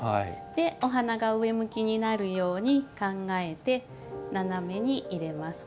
お花が上向きになるように考えて斜めに入れます。